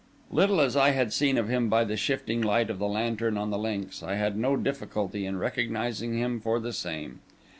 Little as I had seen of him by the shifting light of the lantern on the links, I had no difficulty in recognising him for the same.